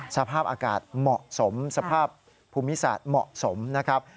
สภาพอากาศเหมาะสมสภาพภูมิศาสตร์เหมาะสมนะครับ